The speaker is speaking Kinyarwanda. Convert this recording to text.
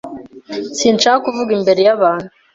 Sinshaka kuvuga imbere y'abantu.